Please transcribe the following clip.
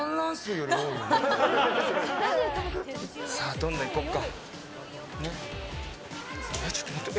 どんどんいこうか。